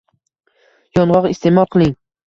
Yong‘oq iste’mol qiling.